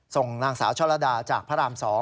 ส่งนางสาวช่อลดาจากพระราม๒